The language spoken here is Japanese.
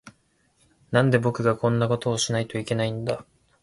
なんで、僕がこんなことをしないといけないんだ。